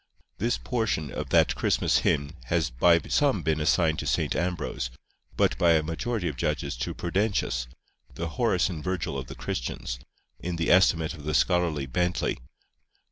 This portion of that Christmas hymn has by some been assigned to St. Ambrose, but by a majority of judges to Prudentius, "the Horace and Virgil of the Christians," in the estimate of the scholarly Bentley.